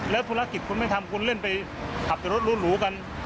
แล้วธุรกิจคุณไม่ทำคุณเล่นไปขับแต่รถหรูกัน